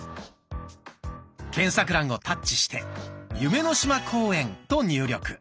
検索欄をタッチして「夢の島公園」と入力。